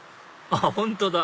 あっ本当だ！